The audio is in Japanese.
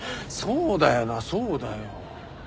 そうだよなそうだよ。